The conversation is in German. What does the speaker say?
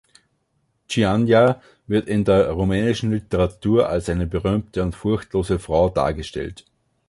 Chiajna wird in der rumänischen Literatur als eine berühmte und furchtlose Frau dargestellt.